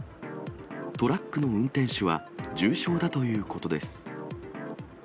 トラックの運転手は重傷だということです。